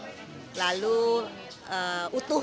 lalu utuh kacangnya itu utuh